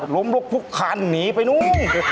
ล้มลุกทุกคันหนีไปนู่น